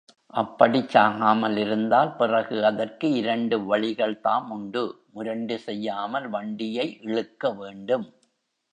அப்படிச் சாகாமலிருந்தால், பிறகு அதற்கு இரண்டு வழிகள் தாம் உண்டு முரண்டு செய்யாமல் வண்டியை இழுக்கவேண்டும்.